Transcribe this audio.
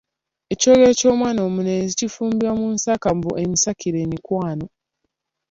Ekyogero ky’omwana omulenzi kifumbibwa mu nsaka mbu emusakire emikwano.